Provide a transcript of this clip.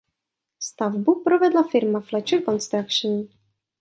Stavbu provedla firma Fletcher Construction.